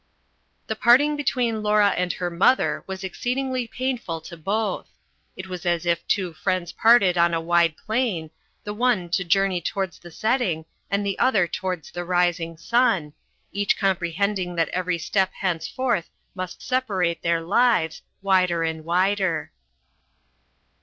The parting between Laura and her mother was exceedingly painful to both. It was as if two friends parted on a wide plain, the one to journey towards the setting and the other towards the rising sun, each comprehending that every step henceforth must separate their lives, wider and wider.